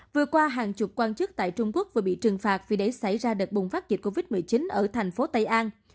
vừa qua hàng chục quan chức tại trung quốc vừa bị trừng phạt vì để xảy ra đợt bùng phát dịch covid một mươi chín ở thành phố tây an